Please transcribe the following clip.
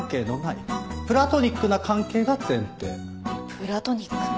プラトニック？